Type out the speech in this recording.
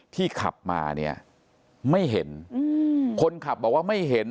ขับมาเนี่ยไม่เห็นอืมคนขับบอกว่าไม่เห็น